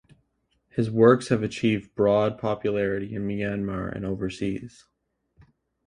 His works have achieved broad popularity in Myanmar and overseas.